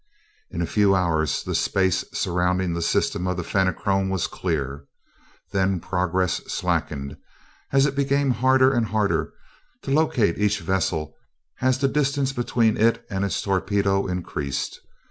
In a few hours the space surrounding the system of the Fenachrone was clear; then progress slackened as it became harder and harder to locate each vessel as the distance between it and its torpedo increased.